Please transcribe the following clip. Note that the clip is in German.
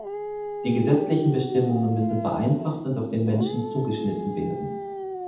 Die gesetzlichen Bestimmungen müssen vereinfacht und auf den Menschen zugeschnitten werden.